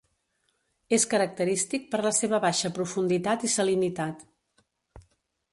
És característic per la seva baixa profunditat i salinitat.